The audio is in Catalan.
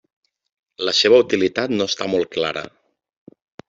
La seva utilitat no està molt clara.